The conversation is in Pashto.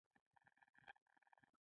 کچالو د بادرنګ سره هم خوراکي جوړښت لري